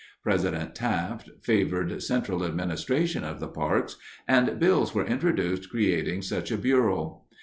President Taft favored central administration of the parks, and bills were introduced creating such a bureau.